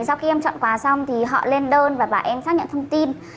sau khi em chọn quà xong thì họ lên đơn và bảo em xác nhận thông tin